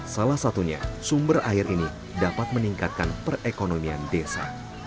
salah satunya sumber air ini dapat meningkatkan perekonomian desa